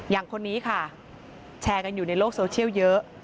อย่างคนนี้ค่ะแชร์กันอยู่ในโลกโซเชียลเยอะ